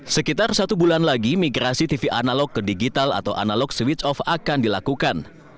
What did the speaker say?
sekitar satu bulan lagi migrasi tv analog ke digital atau analog switch off akan dilakukan